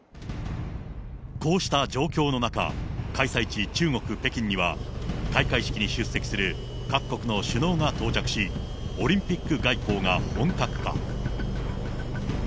こうした状況の中、開催地、中国・北京には、開会式に出席する各国の首脳が到着し、オリンピック外交が本格化。